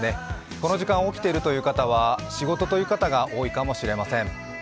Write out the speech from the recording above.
この時間、起きているという方は仕事という方が多いかもしれません。